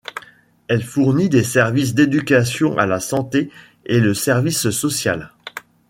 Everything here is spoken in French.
Elle fournit des services d'éducation à la santé et le service social.